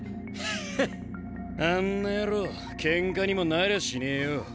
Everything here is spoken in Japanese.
ヘッあんな野郎ケンカにもなりゃしねえよ。